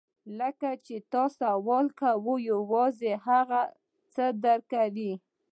کله چې ته سوال کوې یوازې هغه څه درکوي